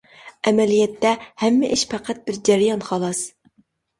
ئەمەلىيەتتە، ھەممە ئىش پەقەت بىر جەريان، خالاس.